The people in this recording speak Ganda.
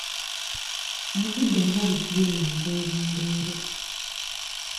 Obudde nga buzibye mangu olwaleero?